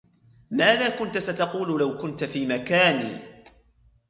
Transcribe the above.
ماذا كنتَ ستقول لو كنت في مكاني؟